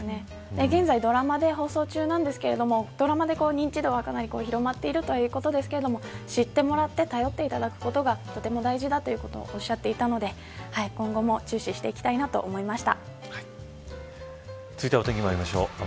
現在、ドラマで放送中ですがドラマで認知度は、かなり広まっているということですが知ってもらって頼っていただくことがとても大事だということをおっしゃっていたので今後も注視していきたいなと思いました。